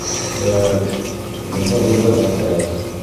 — Тә-әк, бында уйларға кәрәк.